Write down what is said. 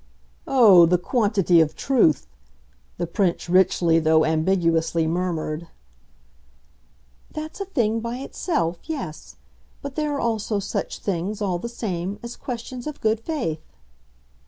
"Oh, the quantity of truth!" the Prince richly, though ambiguously, murmured. "That's a thing by itself, yes. But there are also such things, all the same, as questions of good faith."